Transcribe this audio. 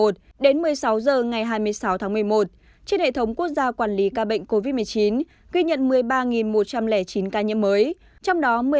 trên hệ thống quốc gia quản lý ca bệnh covid một mươi chín ghi nhận một mươi ba một trăm linh chín ca nhiễm mới